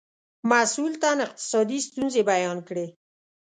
مسئول تن اقتصادي ستونزې بیان کړې.